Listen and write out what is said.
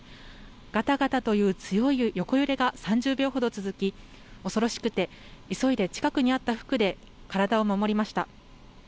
がたがたという強い横揺れが３０秒ほど続き、恐ろしくて、急いで近くにあった服で体を守りました。